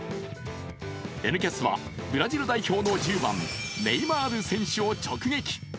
「Ｎキャス」はブラジル代表の１０番、ネイマール選手を直撃。